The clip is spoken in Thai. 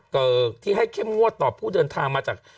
ที่ให้เข้มงวดต่อผู้เดินทางมาจาก